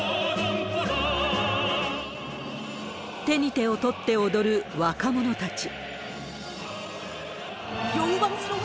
手に手を取って踊る若者たち。